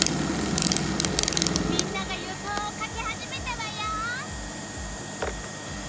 みんなが予想を書き始めたわよ。